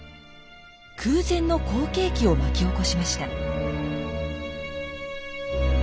空前の好景気を巻き起こしました。